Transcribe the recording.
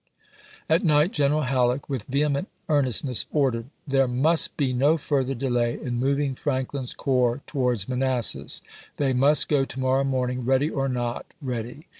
.." At night General Halleck, with vehement ear nestness, ordered :" There must be no further delay in moving Franklin's corps towards Manassas. They must go to morrow morning, ready or not ready.